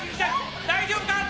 大丈夫か！